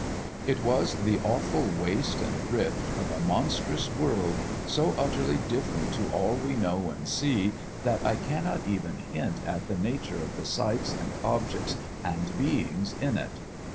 It was the awful waste and drift of a monstrous world, so utterly different to all we know and see that I cannot even hint at the nature of the sights and objects and beings in it.